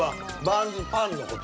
バンズパンの事？